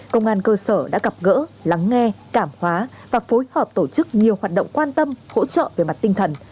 công an cơ sở đã gặp gỡ lắng nghe cảm hóa và phối hợp tổ chức nhiều hoạt động quan tâm hỗ trợ về mặt tinh thần